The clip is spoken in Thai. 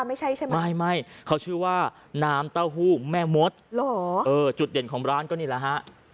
ไม่ใช่ใช่ไหมไม่ไม่เขาชื่อว่าน้ำเต้าหู้แม่มดจุดเด่นของร้านก็นี่แหละฮะ